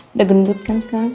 udah gengbut kan sekarang